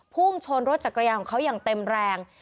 พุ่งชนรถจักรยานของเขาอย่างเต็มแรง